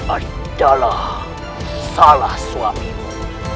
adalah salah suamimu